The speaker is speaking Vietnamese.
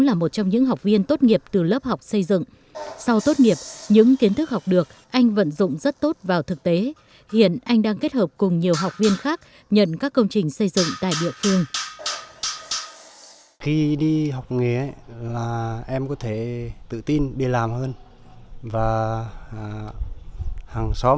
sau tốt nghiệp những kiến thức học được anh vẫn dụng rất tốt vào thực tế hiện anh đang kết hợp cùng nhiều học viên khác nhận các công trình xây dựng tại địa phương